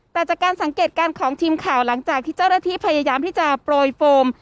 แต่จากการสังเกตการณ์ของทีมข่าวหลังจากที่เจ้าหน้าที่พยายามที่จะโปรยโฟม